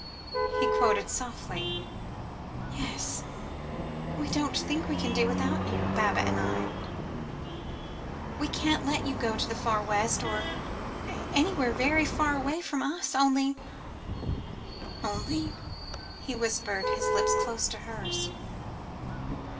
he quoted softly. "Yes; we don't think we can do without you, Baba and I. We can't let you go to the Far West, or anywhere very far away from us. Only " "Only?" he whispered, his lips close to hers.